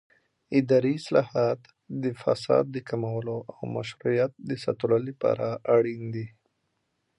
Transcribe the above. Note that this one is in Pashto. اداري اصلاحات د فساد د کمولو او مشروعیت د ساتلو لپاره اړین دي